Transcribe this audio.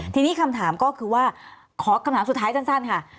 ทีนี้คำถามก็คือว่าขอคำถามสุดท้ายสั้นค่ะ